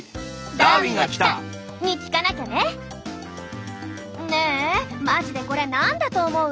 「ダーウィンが来た！」。に聞かなきゃね！ねえマジでこれ何だと思う？